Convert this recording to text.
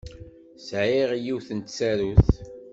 Sɛiɣ yiwet n tsarut.